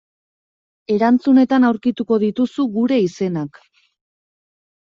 Erantzunetan aurkituko dituzu gure izenak.